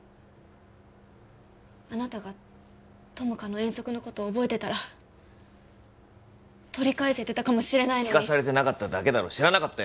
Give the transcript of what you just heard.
あなたが友果の遠足のこと覚えてたら取り返せてたかもしれないのに聞かされてなかっただけだろ知らなかったよ